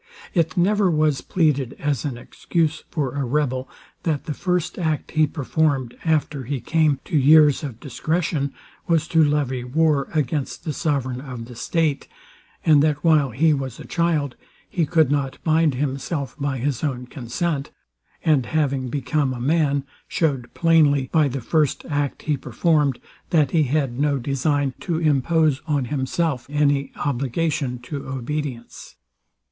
It never was pleaded as an excuse for a rebel, that the first act he performed, after he came to years of discretion, was to levy war against the sovereign of the state; and that while he was a child he could not bind himself by his own consent, and having become a man, showed plainly, by the first act he performed, that he had no design to impose on himself any obligation to obedience.